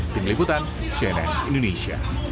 tim liputan cnn indonesia